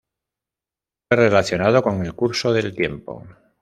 Fue relacionado con el curso del tiempo.